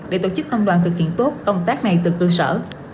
để tổ chức công đoàn thực hiện tốt công tác này từ cơ sở